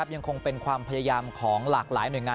ยังคงเป็นความพยายามของหลากหลายหน่วยงาน